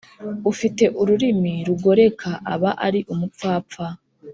ufite ururimi rugoreka aba ari umupfapfa